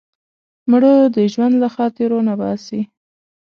مړه د ژوند له خاطرو نه باسې